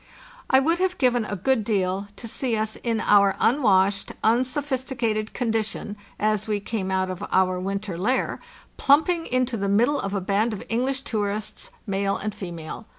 I would have given a good deal to see us in our unwashed, unsophisticated condition, as we came out of our winter lair, plumping into the middle of a band of English tourists, male and female.